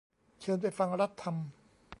เชิญไปฟัง รัฐธรรม